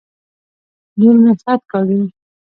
لور مي خط کاږي.